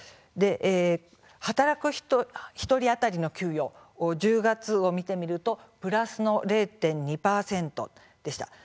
働く人、１人当たりの給与１０月を見てみるとプラスの０．２％でした。